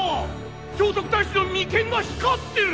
聖徳太子の眉間が光ってる！